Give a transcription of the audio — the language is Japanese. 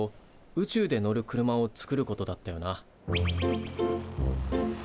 宇宙で乗る車を作ることだったよな。